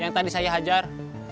yang tadi saya hajar